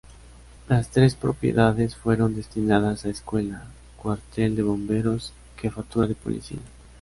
Las tres propiedades fueron destinadas a Escuela, Cuartel de Bomberos y Jefatura de Policía.